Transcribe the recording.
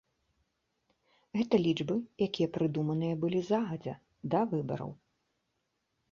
Гэта лічбы, якія прыдуманыя былі загадзя, да выбараў.